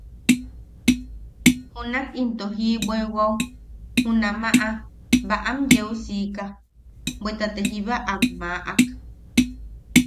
Junak into jiʼibweiwao junamaʼa baʼam yeu siika bweta te jíba am maʼak.